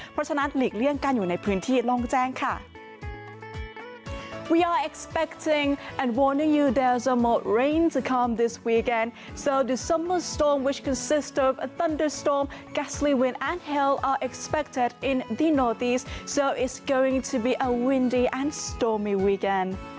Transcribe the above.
เพราะฉะนั้นหลีกเลี่ยงการอยู่ในพื้นที่ลองแจ้งค่ะ